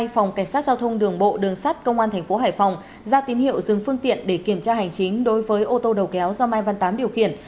phòng cảnh sát giao thông đường bộ đường sát công an tp hải phòng ra tín hiệu dừng phương tiện để kiểm tra hành chính đối với ô tô đầu kéo do mai văn tám điều khiển